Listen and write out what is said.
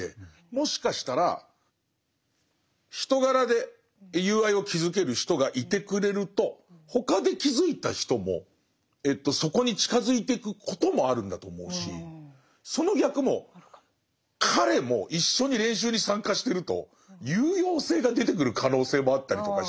もしかしたら人柄で友愛を築ける人がいてくれると他で築いた人もそこに近づいてくこともあるんだと思うしその逆も彼も一緒に練習に参加してると有用性が出てくる可能性もあったりとかして。